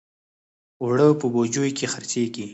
اوړه په بوجیو کې خرڅېږي